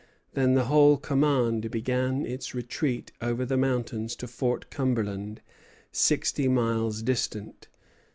Then the whole command began its retreat over the mountains to Fort Cumberland, sixty miles distant.